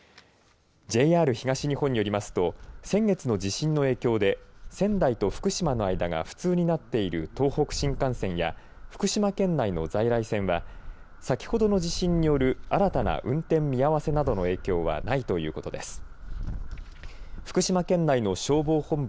ＪＲ東日本によりますと先月の地震の影響で仙台と福島の間が不通になっている東北新幹線や福島県内の在来線は先ほどの地震による新たな運転見合わせなどの影響はないということです。